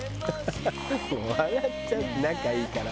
もう笑っちゃって仲いいから」